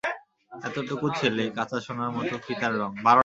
এতটুকু ছেলে, কাচা সোনার মতো কী তার রঙ।